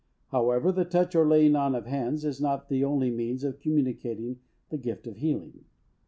However, the touch, or laying on of hands, is not the only means of communicating the gift of healing.